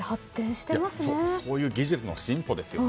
そういう技術の進歩ですよね。